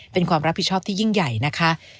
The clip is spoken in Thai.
เป็นความรับผิดชอบที่ยิ่งใหญ่นะคะ